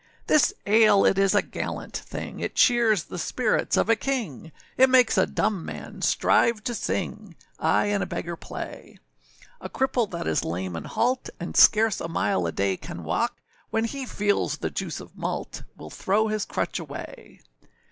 This ale it is a gallant thing, It cheers the spirits of a king; It makes a dumb man strive to sing, Aye, and a beggar play! A cripple that is lame and halt, And scarce a mile a day can walk, When he feels the juice of malt, Will throw his crutch away.